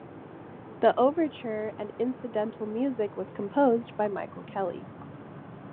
The overture and incidental music was composed by Michael Kelly.